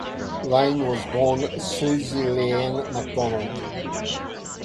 Lane was born Suzilienne McDonald.